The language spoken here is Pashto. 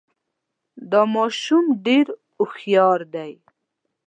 دا ماشوم ډېر هوښیار دی